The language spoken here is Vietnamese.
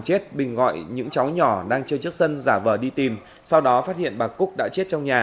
chết bình gọi những cháu nhỏ đang chơi trước sân giả vờ đi tìm sau đó phát hiện bà cúc đã chết trong nhà